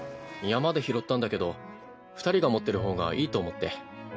山で拾ったんだけど二人が持ってる方がいいと思って。